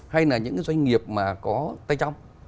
hay là những doanh nghiệp mà có tay trong